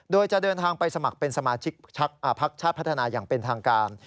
โดยจะเดินทางไปสมัครเป็นสมาชิกพักชาติพัฒนาอย่างเป็นทางการ